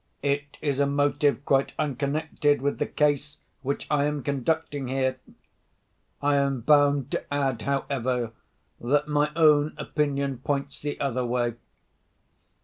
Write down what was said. It is a motive quite unconnected with the case which I am conducting here. I am bound to add, however, that my own opinion points the other way.